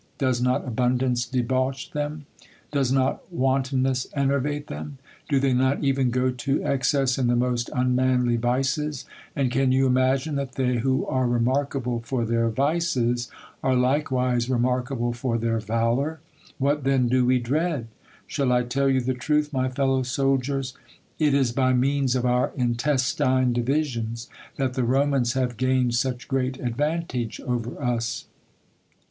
Does not abundance debauch them ? Does not wan tonness enervate them ? Do they not even go to ex cess in the most unmanly vices ? And can you imagine that they who are remarkable for their vices arc like wise remarkable for their valour ? What then do we dread ? Shall I tell you the truth, my fellow soldiers ? It is by means of our intestine divisions, that the Ro jnans have gained such great advantage over us.